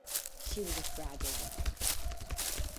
She was a fragile woman.